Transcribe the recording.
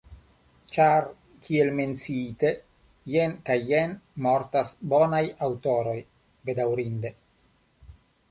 Ĉar, kiel menciite, jen kaj jen mortas bonaj aŭtoroj, bedaŭrinde.